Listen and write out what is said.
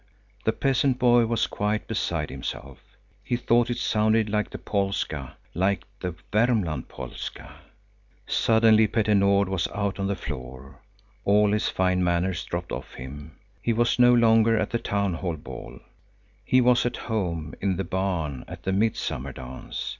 The peasant boy was quite beside himself. He thought it sounded like the polska, like the Värmland polska. A Swedish national dance of a very lively character Suddenly Petter Nord was out on the floor. All his fine manners dropped off him. He was no longer at the town hall ball; he was at home in the barn at the midsummer dance.